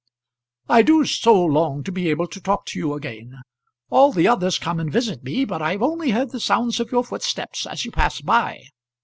"I do so long to be able to talk to you again; all the others come and visit me, but I have only heard the sounds of your footsteps as you pass by."